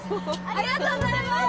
ありがとうございます！